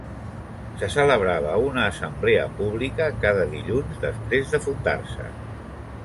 Se celebrava una assemblea pública cada dilluns després de fundar-se.